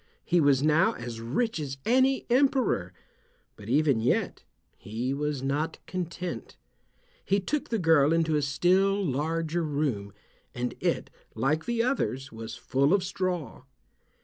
He was now as rich as any emperor, but even yet he was not content. He took the girl into a still larger room, and it, like the others, was full of straw.